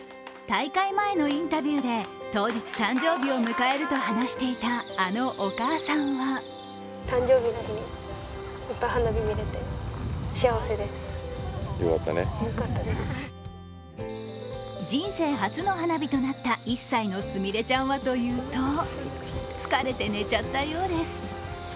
大会前のインタビューで当日誕生日を迎えると話していたあのお母さんは人生初の花火となった１歳の純玲ちゃんはというと、疲れて寝ちゃったようです。